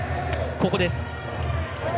ここです。